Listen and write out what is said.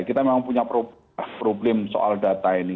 kita memang punya problem soal data ini